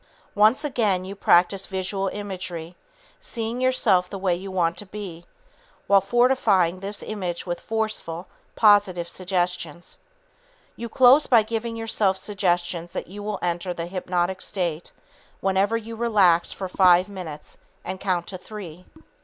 Once again you practice visual imagery, seeing yourself the way you want to be, while fortifying this image with forceful, positive suggestions. You close by giving yourself suggestions that you will enter the hypnotic state whenever you relax for five minutes and count to three.